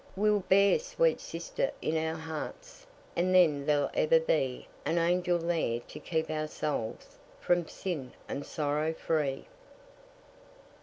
We'll bear sweet sister in our hearts, And then there'll ever be An angel there to keep our souls From sin and sorrow free.